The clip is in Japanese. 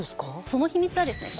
その秘密はですね